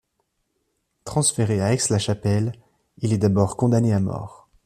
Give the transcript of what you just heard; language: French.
Transféré à Aix-la-Chapelle, il est d'abord condamné à mort.